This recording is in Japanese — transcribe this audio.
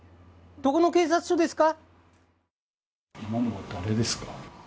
どこの警察署ですか？